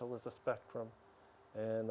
apakah itu menurut anda